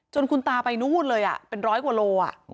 คุณตาไปนู่นเลยเป็นร้อยกว่าโล